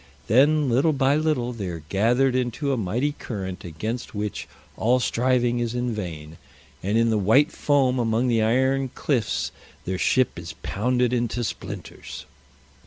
Then little by little they are gathered into a mighty current against which all striving is in vain, and in the white foam among the iron cliffs their ship is pounded into splinters.